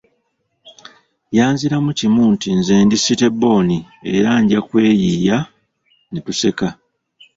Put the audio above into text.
Yanziramu kimu nti nze ndi "City bbooni era nja kweyiiya" ne tuseka.